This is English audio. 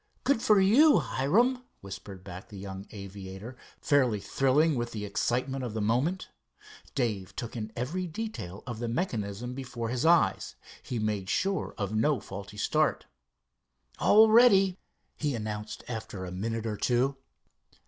"Good for you, Hiram!" whispered back the young aviator, fairly thrilling with the excitement of the moment. Dave took in every detail of the mechanism before his eyes. He made sure of no faulty start. "All ready," he announced after a minute or two.